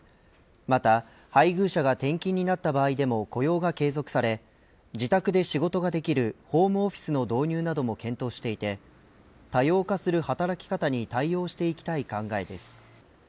また配偶者が転勤になった場合でも雇用が継続され自宅で仕事ができるホームオフィスの導入なども検討していて多様化する働き方に対応していきたい考えです。